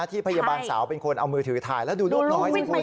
ที่พยาบาลสาวเป็นคนเอามือถือถ่ายแล้วดูลูกน้อยสิคุณ